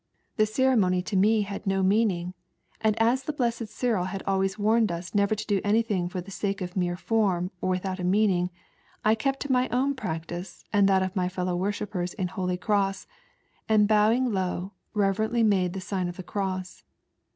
The ceremony to me had no meaning, and aa the Blessed Cyril had always warned na never to do anything for the Hake of mere form or without a. meaning, I kept to my own practice and that of my fellow worshippers in Holy Cross, and bowing low, reverently made the sign of the Cross.